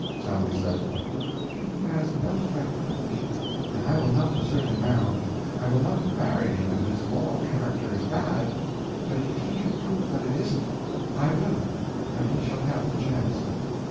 Sally said: "He has no friend but me, and I will not desert him now. I will not marry him if his moral character is bad; but if he can prove that it isn't, I will—and he shall have the chance.